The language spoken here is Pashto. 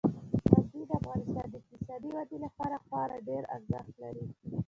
غزني د افغانستان د اقتصادي ودې لپاره خورا ډیر ارزښت لري.